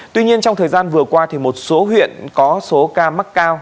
tuy nhiên trong thời gian vừa qua một số huyện có số ca mắc cao